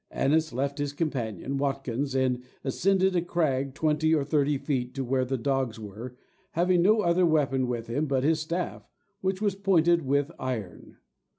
Annis left his companion, Watkins, and ascended a crag twenty or thirty feet to where the dogs were, having no other weapon with him but his staff, which was pointed with iron.